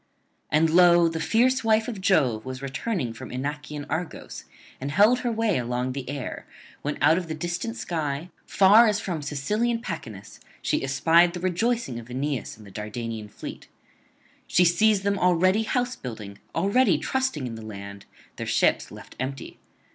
And lo! the fierce wife of Jove was returning from Inachian Argos, and held her way along the air, when out of the distant sky, far as from Sicilian Pachynus, she espied the rejoicing of Aeneas and the Dardanian fleet. She sees them already house building, already trusting in the land, their ships left empty.